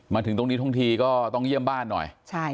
มาถึงตรงนี้ทุกทีก็ต้องเยี่ยมบ้านหน่อย